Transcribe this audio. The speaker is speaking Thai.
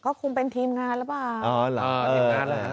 ก็คงเป็นทีมงานล่ะบ้าง